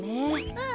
うん。